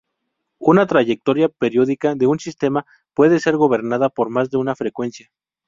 Una trayectoria periódica de un sistema puede ser gobernada por más de una frecuencia.